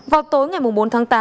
vào tối ngày bốn tháng tám